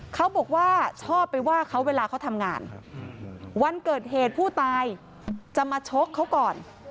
เขาบอกว่าชอบไปว่าเขาเวลาเขาทำงานวันเกิดเหตุผู้ตายจะมาชกเขาก่อน